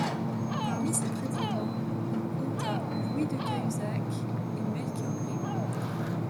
Parmi ses prétendants, on compta Louis de Cahusac et Melchior Grimm.